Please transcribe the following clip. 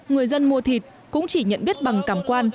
người dân mua thịt cũng chỉ nhận biết bằng cảm quan